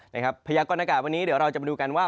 พระยากรณกาลวันนี้เราจะมาดูกันว่า